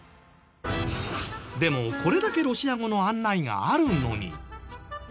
でもこれだけロシア語の案内があるのに。